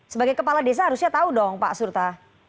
empat puluh lima sebagai kepala desa harusnya tahu dong pak sukta